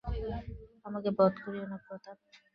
আমাকে বধ করিও না প্রতাপ!